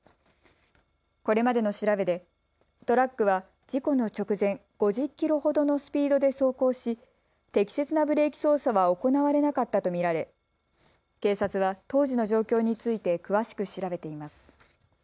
これまでの調べでトラックは事故の直前、５０キロほどのスピードで走行し適切なブレーキ操作は行われなかったと見られ、警察が当時の状況について詳しく調べています。